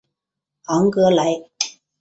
昂格莱。